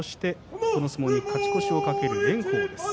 この相撲に勝ち越しを懸ける炎鵬です